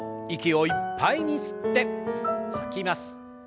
息をいっぱいに吸って吐きます。